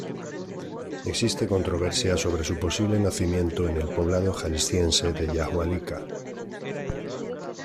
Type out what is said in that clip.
Existe controversia sobre su posible nacimiento en el poblado jalisciense de Yahualica.